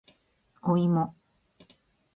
おいも